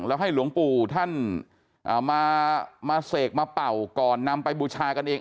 แล้วให้หลวงปู่ท่านมาเสกมาเป่าก่อนนำไปบูชากันเอง